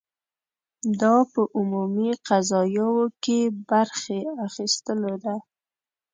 دا په عمومي قضایاوو کې برخې اخیستلو ده.